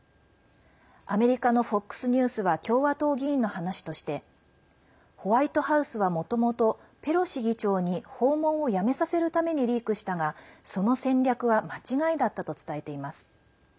アメリカのＦＯＸニュースは共和党議員の話としてホワイトハウスは、もともとペロシ議長に訪問をやめさせるためにリークしたがその戦略は間違いだったと伝えています。